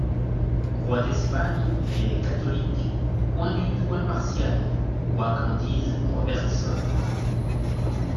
Roi d'Espagne, il est catholique, point du tout impartial (quoi qu'en dise Robertson).